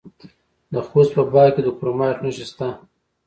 د خوست په باک کې د کرومایټ نښې شته.